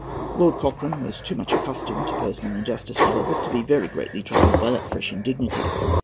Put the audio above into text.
Lord Cochrane was too much accustomed to personal injustice, however, to be very greatly troubled by that fresh indignity.